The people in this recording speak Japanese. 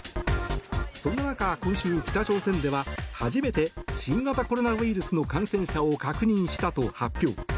そんな中、今週北朝鮮では初めて新型コロナウイルスの感染者を確認したと発表。